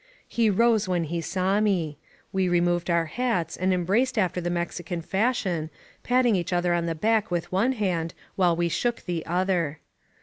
He rose when he saw me. We removed our hats and embraced after the Mexican fashion, patting each other on the back with one hand while we shook the other.